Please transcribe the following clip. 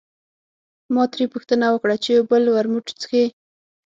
ما ترې پوښتنه وکړه چې یو بل ورموت څښې.